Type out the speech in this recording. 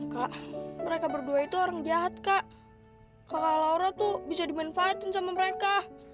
kak mereka berdua itu orang jahat kak kalau laura tuh bisa dimanfaatin sama mereka